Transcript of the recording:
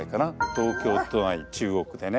東京都内中央区でね